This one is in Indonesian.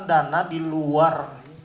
dana di luar